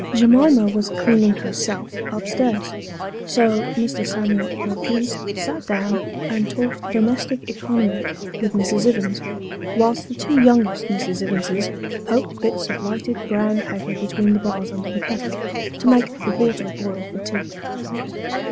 Jemima was " cleaning herself " up stairs ; so Mr. Samuel Wilkins sat down and talked domestic economy with Mrs. Ivins, whilst the two youngest Miss Ivinses poked bits of lighted brown paper between the bars under the kettle, to make the water boil for tea.